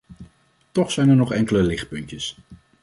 Toch zijn er nog enkele lichtpuntjes.